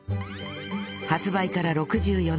発売から６４年